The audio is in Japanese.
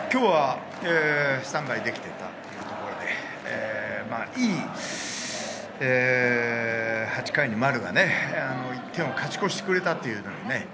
今日はスタンバイできていたということなので、８回に丸が１点を勝ち越してくれた。